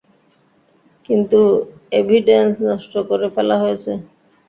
কিন্তু এভিডেন্স নষ্ট করে ফেলা হয়েছে।